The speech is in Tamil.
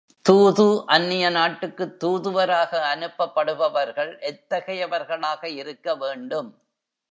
தூது அந்நிய நாட்டுக்குத் தூதுவராக அனுப்பப்படுபவர்கள் எத்தகையவர்களாக இருக்க வேண்டும்?